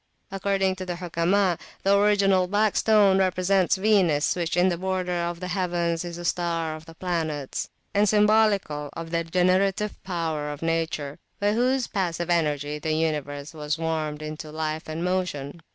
According to the Hukama, the original Black Stone represents Venus, which in the border of the heavens is a star of the planets, and symbolical of the [p.163] generative power of nature, by whose passive energy the universe was warmed into life and motion.